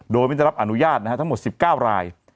โดยมิจรับอนุญาตนะฮะทั้งหมด๑๙ราย